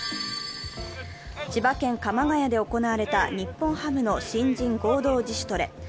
千葉県鎌ケ谷で行われた日本ハムの新人合同自主トレ。